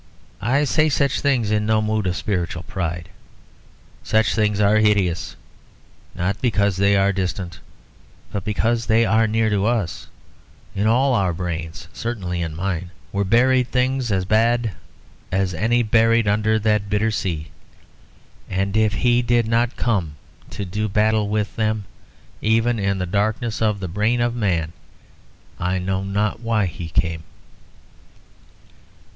I say such things in no mood of spiritual pride; such things are hideous not because they are distant but because they are near to us; in all our brains, certainly in mine, were buried things as bad as any buried under that bitter sea, and if He did not come to do battle with them, even in the darkness of the brain of man, I know not why He came.